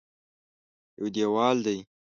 یو دېوال دی.